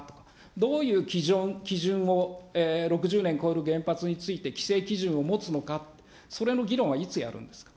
どういう基準を、６０年超える原発について規制基準を持つのか、それの議論はいつやるんですか。